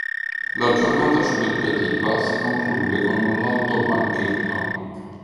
La giornata celebrativa si conclude con un lauto banchetto.